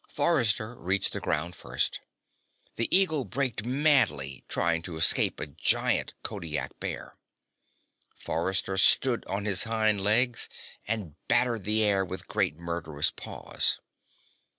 Forrester reached the ground first. The eagle braked madly, trying to escape a giant Kodiak bear. Forrester stood on his hind legs and battered the air with great, murderous paws.